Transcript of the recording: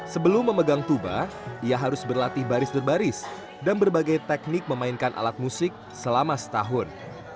sebelum memegang tuba ia harus berlatih baris berbaris dan berbagai teknik memainkan alat musik selama setahun